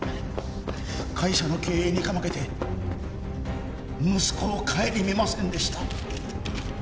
会社の経営にかまけて息子を顧みませんでした。